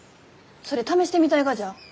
それ試してみたいがじゃ。